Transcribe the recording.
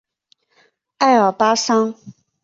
爱尔巴桑。